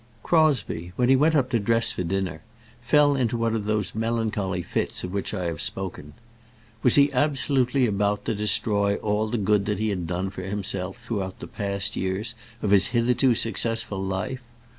Crosbie, when he went up to dress for dinner, fell into one of those melancholy fits of which I have spoken. Was he absolutely about to destroy all the good that he had done for himself throughout the past years of his hitherto successful life?